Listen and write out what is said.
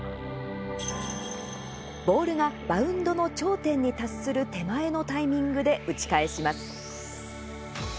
ボールがバウンドの頂点に達する手前のタイミングで打ち返します。